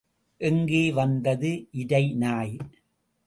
எங்கே வந்தது இரை நாய்?